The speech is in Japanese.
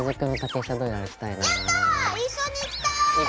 やった一緒に行きたい！